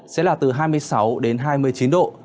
sẽ là từ hai mươi sáu đến hai mươi chín độ